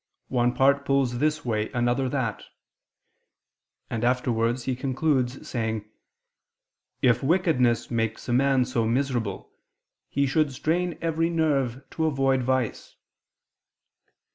. one part pulls this way, another that"; and afterwards he concludes, saying: "If wickedness makes a man so miserable, he should strain every nerve to avoid vice."